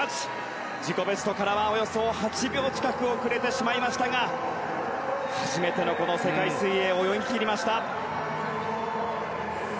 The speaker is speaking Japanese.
自己ベストからはおよそ８秒近く遅れてしまいましたが初めてのこの世界水泳泳ぎ切りました。